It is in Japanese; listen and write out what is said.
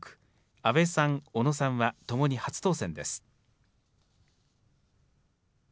阿部さん、小野さんはともに初当選です。